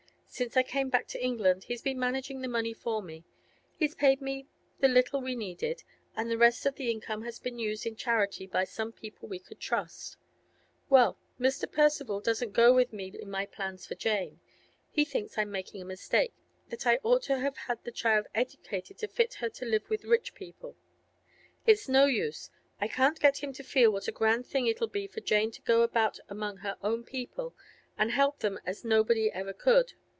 Since I came back to England he's been managing the money for me; he's paid me the little we needed, and the rest of the income has been used in charity by some people we could trust. Well, Mr. Percival doesn't go with me in my plans for Jane. He thinks I'm making a mistake, that I ought to have had the child educated to fit her to live with rich people. It's no use; I can't get him to feel what a grand thing it'll be for Jane to go about among her own people and help them as nobody ever could.